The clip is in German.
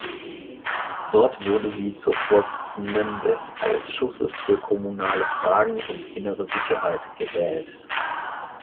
Dort wurde sie zur Vorsitzenden des "Ausschusses für Kommunale Fragen und Innere Sicherheit" gewählt.